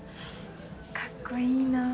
かっこいいなぁ。